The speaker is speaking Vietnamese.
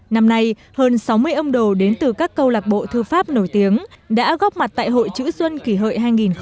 năm nay hơn sáu mươi ông đồ đến từ các câu lạc bộ thư pháp nổi tiếng đã góp mặt tại hội chữ xuân kỷ hợi hai nghìn một mươi chín